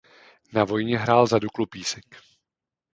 Na vojně hrál za Duklu Písek.